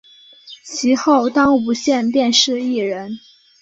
其后当无线电视艺人。